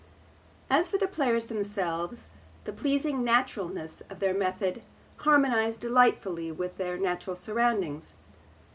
As for the players themselves, the pleasing naturalness of their method harmonised delightfully with their natural surroundings.